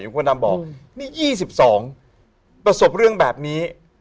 คุณพระดำบอกนี่๒๒ประสบเรื่องแบบนี้